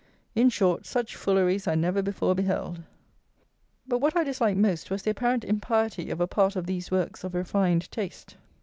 In short, such fooleries I never before beheld; but what I disliked most was the apparent impiety of a part of these works of refined taste.